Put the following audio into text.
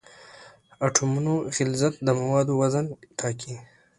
د اټومونو غلظت د موادو وزن ټاکي.